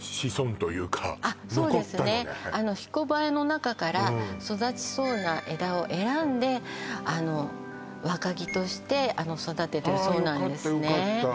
残ったのねひこばえの中から育ちそうな枝を選んであの若木として育ててるそうなんですねああ